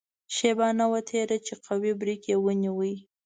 شېبه نه وه تېره چې قوي بریک یې ونیو.